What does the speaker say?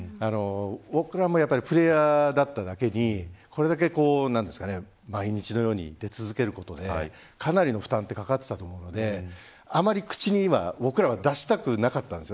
僕らもプレーヤーだっただけにこれだけ毎日のように出続けることでかなりの負担がかかっていたと思うのであまり口には僕らは出したくなかったです。